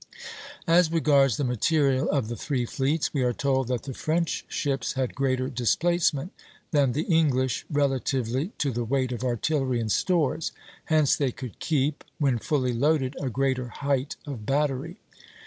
As regards the material of the three fleets, we are told that the French ships had greater displacement than the English relatively to the weight of artillery and stores; hence they could keep, when fully loaded, a greater height of battery.